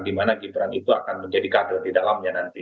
dimana gibran itu akan menjadi kader di dalamnya nanti